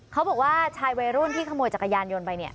เขาบอกว่าชายวัยรุ่นที่ขโมยจักรยานยนต์ไปเนี่ย